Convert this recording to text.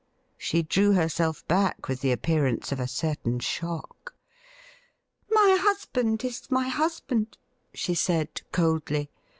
She drew herself back with the appearance of a certain shock. ' My husband is my husband !' she said coldly.